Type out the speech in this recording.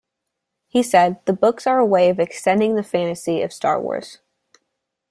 He said, "The books are a way of extending the fantasy of "Star Wars".